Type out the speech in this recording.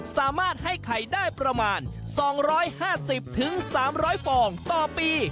สามารถให้ไข่ได้ประมาณ๒๕๐๓๐๐ฟองต่อปี